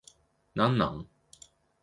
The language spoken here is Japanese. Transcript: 何なん